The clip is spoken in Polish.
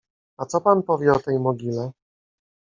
— A co pan powie o tej mogile?